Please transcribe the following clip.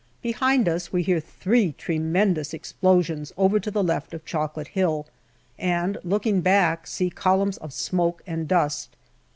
Behind us we hear three tremendous explosions over to the left of Chocolate Hill, and looking back, see columns of smoke and dust.